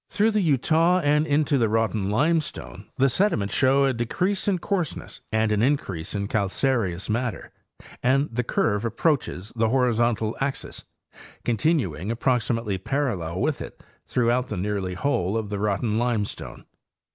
Through the Eutaw and into the Rotten limestone the sediments show a decrease in coarseness and an increase in cal careous matter, and the curve approaches the horizontal axis, continuing approximately parallel with it throughout nearly the whole of the Rotten limestone.